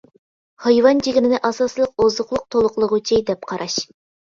ھايۋان جىگىرىنى ئاساسلىق ئوزۇقلۇق تولۇقلىغۇچى دەپ قاراش.